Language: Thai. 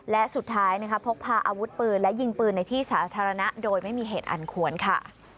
และสุดท้ายพกพาอาวุธปืนและยิงปืนในที่สาธารณะโดยไม่มีเหตุอันควรค่ะ